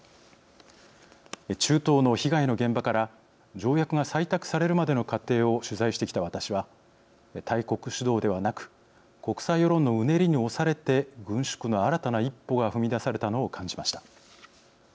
中東の被害の現場から条約が採択されるまでの過程を取材してきた私は大国主導ではなく国際世論のうねりに押されて軍縮の新たな一歩が踏み出されたのを感じました。